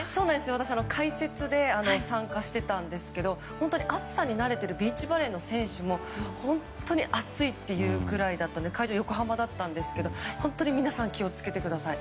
私は解説で参加していたんですが本当に暑さに慣れているビーチバレーの選手も暑いというぐらいだったので会場、横浜だったんですが本当に皆さん気を付けてください。